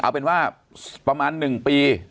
เอาเป็นว่าประมาณหนึ่งปี